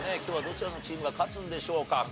今日はどちらのチームが勝つんでしょうか？